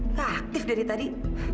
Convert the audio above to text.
nggak aktif dari tadi